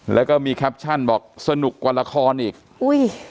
แล้วก็มีแคปชั่นบอกสนุกกว่าละครอีกอุ้ย